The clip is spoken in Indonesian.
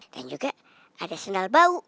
dan juga ada sendal bau